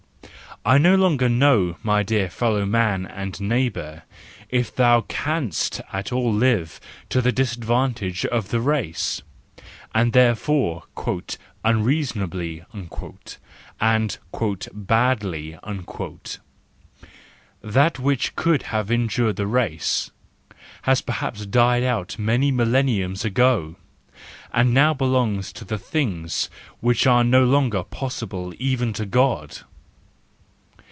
I no longer know, my dear fellow man and neighbour, if thou const at all live to the disadvantage of the race, and therefore, " un¬ reasonably " and "badly"; that which could have injured the race has perhaps died out many millenniums ago, and now belongs to the things which are no longer possible even to God.